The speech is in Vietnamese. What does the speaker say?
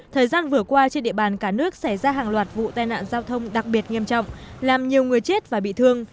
thời gian vừa qua trên địa bàn cả nước xảy ra hàng loạt vụ tai nạn giao thông đặc biệt nghiêm trọng làm nhiều người chết và bị thương